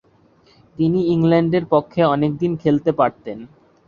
তিনি ইংল্যান্ডের পক্ষে অনেকদিন খেলতে পারতেন।